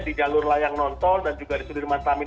di jalur layang nonton dan juga di sudirman samit